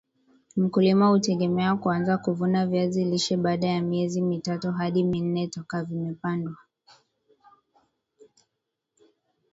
mkulima hutegemea kuanza kuvuna viazi lishe baada ya miezi mitatu hadi minne toka vimepandwa